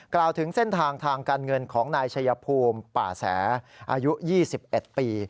กล่าวถึงเส้นทางทางการเงินของนายชัยภูมิป่าแสอายุ๒๑ปี